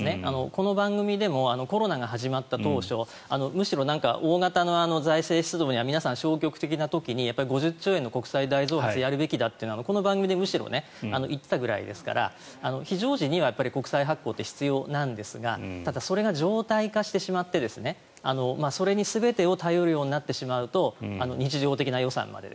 この番組でもコロナが始まった当初むしろ大型の財政出動に皆さん消極的な時に５０兆円の財政出動をやるべきだとこの番組でむしろ言っていたくらいですから非常時には国債発行って必要なんですがただ、それが常態化してしまってそれに全てを頼るようになってしまうと日常的な予算まで。